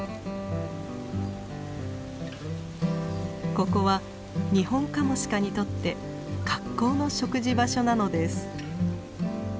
ここはニホンカモシカにとって格好の食事場所なのです。